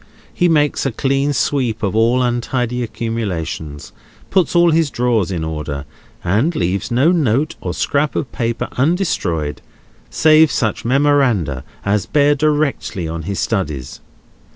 He makes a clean sweep of all untidy accumulations, puts all his drawers in order, and leaves no note or scrap of paper undestroyed, save such memoranda as bear directly on his studies.